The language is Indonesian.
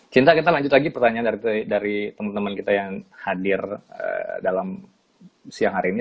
cinta kita lanjut lagi pertanyaan dari teman teman kita yang hadir dalam siang hari ini